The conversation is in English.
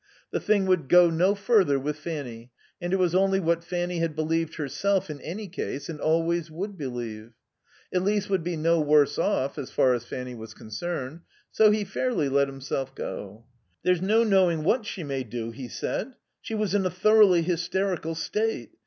The thing would go no further with Fanny, and it was only what Fanny had believed herself in any case and always would believe. Elise would be no worse off as far as Fanny was concerned. So he fairly let himself go. "There's no knowing what she may do," he said. "She was in a thoroughly hysterical state.